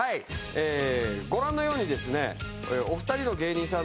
ご覧のようにですね。